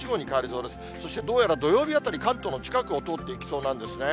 そしてどうやら土曜日あたり、関東の近くを通っていきそうなんですね。